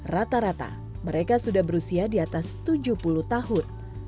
rata rata mereka sudah berusia di atas tujuh puluh tahun